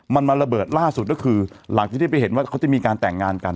มันมาระเบิดล่าสุดก็คือหลังจากที่ไปเห็นว่าเขาจะมีการแต่งงานกัน